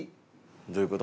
どういう事？